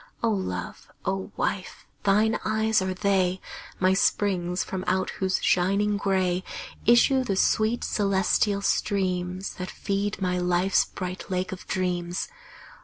O Love, O Wife, thine eyes are they, My springs from out whose shining gray Issue the sweet celestial streams That feed my life's bright Lake of Dreams.